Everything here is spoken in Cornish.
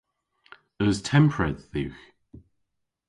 Eus tempredh dhywgh?